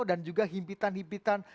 dan juga himpitan himpitan